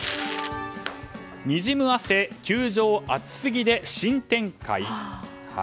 にじむ汗球場暑すぎで新展開。